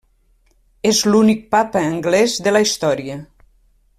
És l'únic papa anglès de la història.